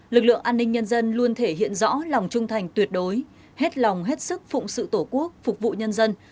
lực lượng an ninh nhân dân luôn thể hiện rõ lòng trung thành tuyệt đối hết lòng hết sức phụng sự tổ quốc phục vụ nhân dân